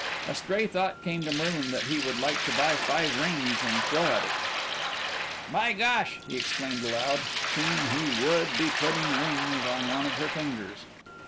A stray thought came to Merlin that he would like to buy five rings and throw at it. "By gosh!" he exclaimed aloud. Soon he would be putting rings on one of her fingers.